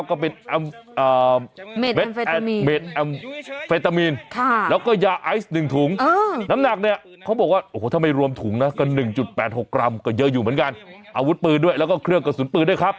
โอ้โหถ้าไม่รวมถุงนะก็หนึ่งจุดแปดหกกรัมก็เยอะอยู่เหมือนกันอาวุธปืนด้วยแล้วก็เครื่องกระสุนปืนด้วยครับ